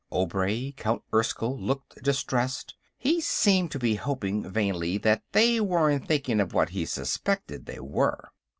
Obray, Count Erskyll, looked distressed; he seemed to be hoping, vainly, that they weren't thinking of what he suspected they were.